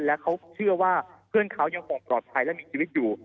และเขาเชื่อว่าเพื่อนเขายังคงปลอดภัยและมีชีวิตอยู่